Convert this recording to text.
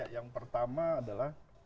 yang pertama adalah